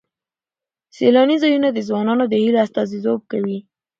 سیلاني ځایونه د ځوانانو د هیلو استازیتوب کوي.